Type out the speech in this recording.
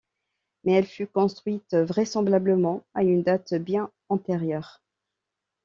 Mais elle fut construite vraisemblablement à une date bien antérieure.